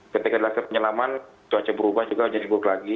ketika dilakukan penyelaman cuaca berubah juga jadi buruk lagi